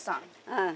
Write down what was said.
うん。